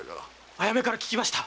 あやめから聞きました。